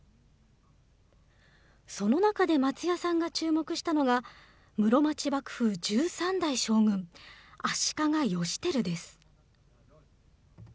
その中で松也さんが注目したのが、室町幕府１３代将軍、足利義輝です。